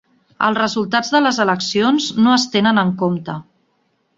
Els resultats de les eleccions no es tenen en compte.